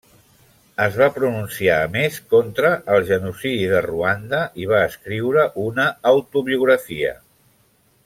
Es va pronunciar a més contra el genocidi de Ruanda i va escriure una autobiografia.